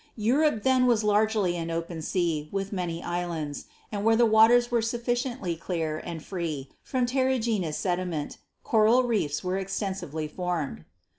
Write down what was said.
Europe then was largely an open sea with many islands, and where the waters were sufficiently clear and free from terrigenous sediment coral reefs were ex tensively formed.